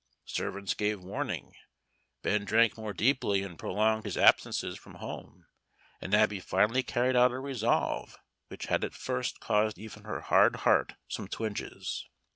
Servants gave warning; Ben drank more deeply and prolonged his absences from home, and Abby finally carried out a resolve which had at first caused even her hard heart some twinges.